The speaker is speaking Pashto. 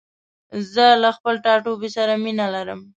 زه له خپل ټاټوبي سره مينه لرم.